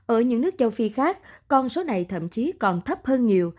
ở những nước châu phi khác con số này thậm chí còn thấp hơn nhiều